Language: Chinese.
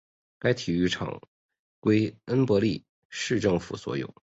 该体育场归恩波利市政府所有。